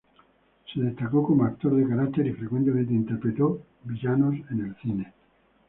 Se destacó como actor de carácter y frecuentemente interpretó villanos en el cine.